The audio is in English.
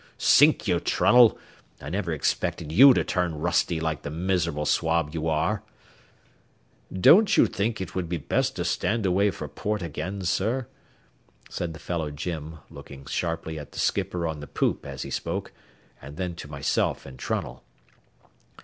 Sink you, Trunnell; I never expected you to turn rusty like the miserable swab you are." "Don't you think it would be best to stand away for port again, sir?" said the fellow Jim, looking sharply at the skipper on the poop as he spoke, and then to myself and Trunnell.